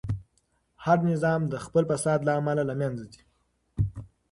هر نظام د خپل فساد له امله له منځه ځي.